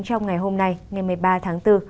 trong ngày hôm nay ngày một mươi ba tháng bốn